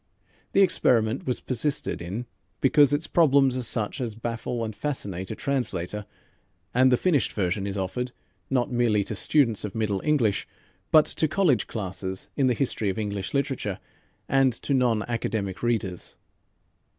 The experiment was persisted in because its problems are such as baffle and fascinate a translator, and the finished version is offered not merely to students of Middle English but to college classes in the history of English literature, and to non academic readers.